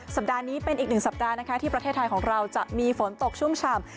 สัปดาห์นี้เป็นอีกหนึ่งสัปดาห์นะคะที่ประเทศไทยของเราจะมีฝนตกชุ่มฉ่ำ